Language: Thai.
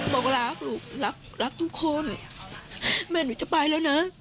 บอกรักลูกรักรักทุกคนแม่หนูจะไปแล้วนะ